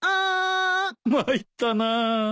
参ったなあ。